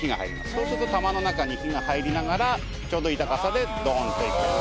そうすると玉の中に火が入りながらちょうどいい高さでドーンといって。